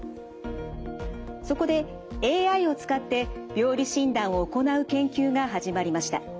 そこでＡＩを使って病理診断を行う研究が始まりました。